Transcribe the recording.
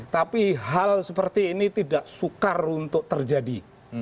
tapi hal seperti ini tidak sukar untuk terjadi